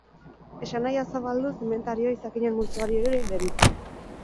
Esanahia zabalduz, inbentarioa izakinen multzoari ere deritzo.